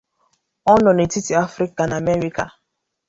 O no n'etiti Afrịka na Amerikạ.